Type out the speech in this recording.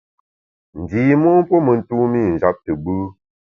Ndi mon puo me ntumî njap te gbù.